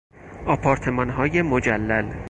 آپارتمانهای مجلل